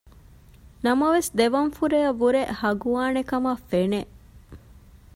ނަމަވެސް ދެވަން ފުރަޔަށް ވުރެ ހަގުވާނެކަމަށް ފެނެ